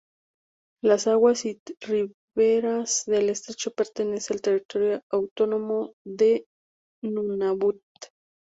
Las aguas y las riberas del estrecho pertenece al Territorio Autónomo de Nunavut.